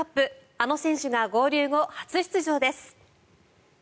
あの選手が合流後初出場です。